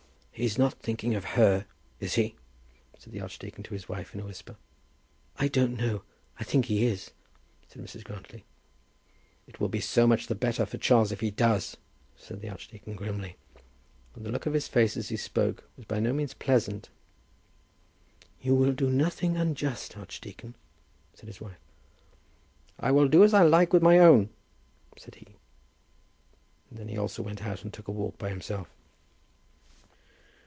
"He's not thinking of her; is he?" said the archdeacon to his wife, in a whisper. "I don't know. I think he is," said Mrs. Grantly. "It will be so much the better for Charles, if he does," said the archdeacon grimly; and the look of his face as he spoke was by no means pleasant. "You will do nothing unjust, archdeacon," said his wife. "I will do as I like with my own," said he. And then he also went out and took a walk by himself.